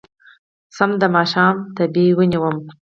سم د ماښامه تبې ونيومه